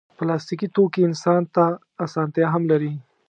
پلاستيکي توکي انسان ته اسانتیا هم لري.